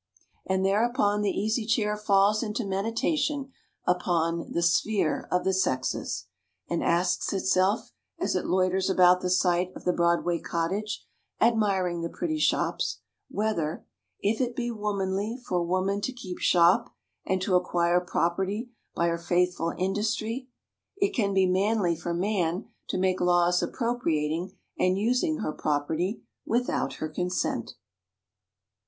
And thereupon the Easy Chair falls into meditation upon "the sphere" of the sexes, and asks itself, as it loiters about the site of the Broadway Cottage, admiring the pretty shops, whether, if it be womanly for woman to keep shop and to acquire property by her faithful industry, it can be manly for man to make laws appropriating and using her property without her consent?